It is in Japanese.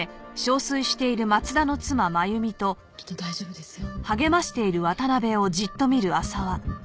きっと大丈夫ですよ。